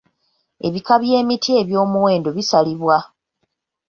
Ebika by'emiti eby'omuwendo bisalibwa.